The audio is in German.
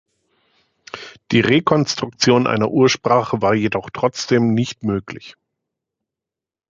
Die Rekonstruktion einer Ursprache war jedoch trotzdem nicht möglich.